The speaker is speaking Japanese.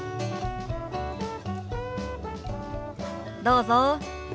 どうぞ。